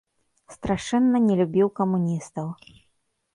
Страшэнна не любіў камуністаў.